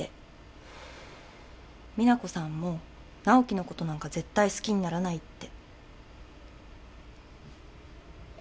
実那子さんも直季のことなんか絶対好きにならないって。